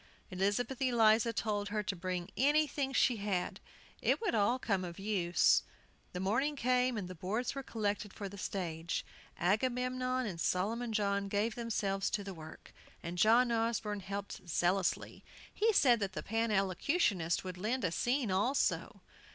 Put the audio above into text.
Elizabeth Eliza told her to bring anything she had, it would all come of use. The morning came, and the boards were collected for the stage. Agamemnon and Solomon John gave themselves to the work, and John Osborne helped zealously. He said the Pan Elocutionists would lend a scene also.